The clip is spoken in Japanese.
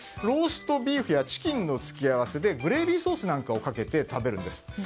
ローストビーフやチキンの付け合わせでグレービーソースなんかをかけて食べるんです。